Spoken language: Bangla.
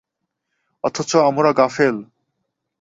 অথচ আমরা গাফেল।